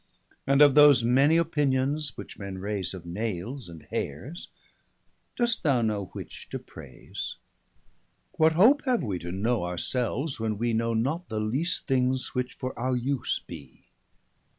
And of those many opinions which men raise Of Nailes and Haires, dost thou know which to praise? What hope have wee to know our selves, when wee Know not the least things, which for our use be?